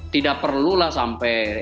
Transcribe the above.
tidak perlulah sampai